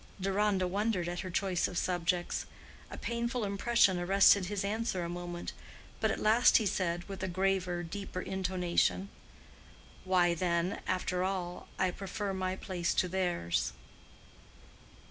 Deronda wondered at her choice of subjects. A painful impression arrested his answer a moment, but at last he said, with a graver, deeper intonation, "Why, then, after all, I prefer my place to theirs."